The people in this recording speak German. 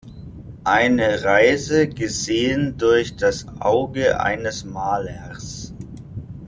Eine Reise gesehen durch das Auge eines Malers.